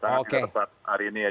sangat tidak tepat hari ini ya